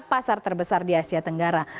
pasar terbesar di asia tenggara